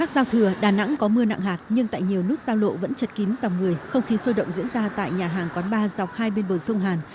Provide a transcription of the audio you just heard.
giao lộ vẫn chật kín dòng người không khí sôi động diễn ra tại nhà hàng quán bar dọc hai bên bờ sông hàn